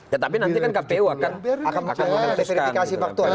ya tapi nanti kan kpu akan mengesertifikasi faktor